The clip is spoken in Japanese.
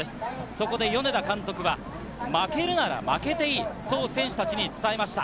そこで米田監督は負けるなら負けていい、そう選手たちに伝えました。